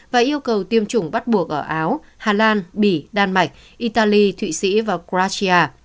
và yêu cầu tiêm chủng bắt buộc ở áo hà lan bỉ đan mạch italy thụy sĩ và kratia